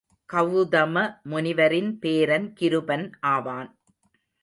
கவுதம முனிவரின் பேரன் கிருபன் ஆவான்.